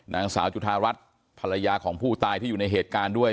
นางสาวจุธารัฐภรรยาของผู้ตายที่อยู่ในเหตุการณ์ด้วย